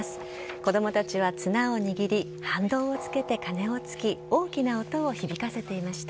子どもたちは綱を握り、反動をつけて鐘をつき、大きな音を響かせていました。